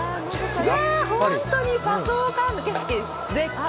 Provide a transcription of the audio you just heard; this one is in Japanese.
本当に車窓からの景色、絶景。